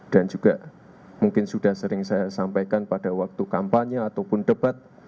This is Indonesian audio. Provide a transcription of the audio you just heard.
dan juga mungkin sudah sering saya sampaikan pada waktu kampanye ataupun debat